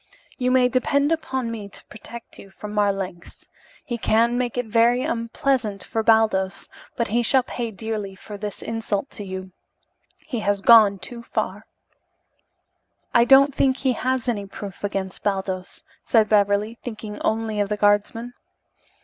"You may depend upon me to protect you from Marlanx. He can make it very unpleasant for Baldos, but he shall pay dearly for this insult to you. He has gone too far." "I don't think he has any proof against Baldos," said Beverly, thinking only of the guardsman.